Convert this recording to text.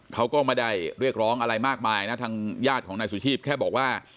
เขาก็ไม่ได้เรียกร้องอะไรมากมายนะทางญาติของนายสุชีพแค่บอกว่า